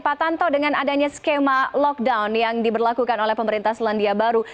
pak tanto dengan adanya skema lockdown yang diberlakukan oleh pemerintah selandia baru